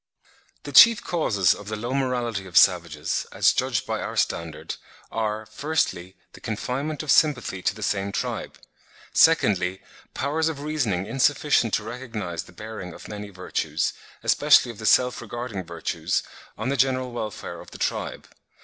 The chief causes of the low morality of savages, as judged by our standard, are, firstly, the confinement of sympathy to the same tribe. Secondly, powers of reasoning insufficient to recognise the bearing of many virtues, especially of the self regarding virtues, on the general welfare of the tribe.